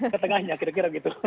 ketengahnya kira kira gitu